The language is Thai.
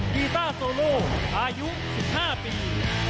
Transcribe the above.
กีต้าโซโลอายุ๑๕ปี